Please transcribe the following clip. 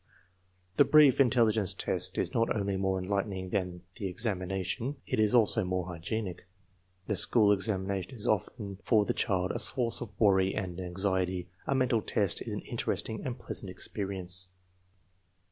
The brief intelligence test is not only more enlightening than the examination; it is also more hygienic. The school examination is often for the child a source of worry and anxiety; the mental test is an interesting and pleasant experience.